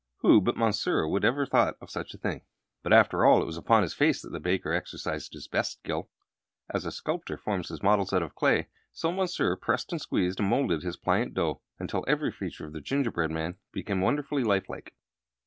Who but Monsieur would ever have thought of such a thing? But, after all, it was upon the face that the baker exercised his best skill. As a sculptor forms his models out of clay, so Monsieur pressed and squeezed and molded his pliant dough, until every feature of the gingerbread man became wonderfully lifelike.